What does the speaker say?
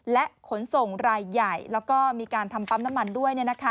และขนส่งรายใหญ่แล้วก็มีการทำปั๊มน้ำมันด้วย